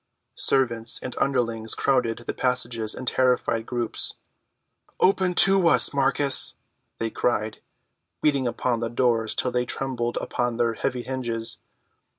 Servants and underlings crowded the passages in terrified groups. "Open to us, Marcus," they cried, beating upon the doors till they trembled upon their heavy hinges.